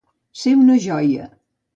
Ser una joia.